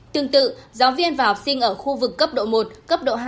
tương tự giáo viên và học sinh ở khu vực cấp độ một cấp độ hai